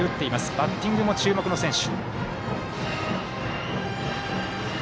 バッティングも注目の選手。